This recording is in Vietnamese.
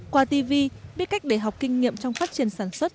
qua tv biết cách để học kinh nghiệm trong phát triển sản xuất